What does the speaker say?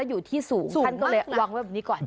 อยู่ที่สูงท่านก็เลยวางไว้แบบนี้ก่อน